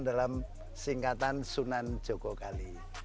dalam singkatan sunan jogokali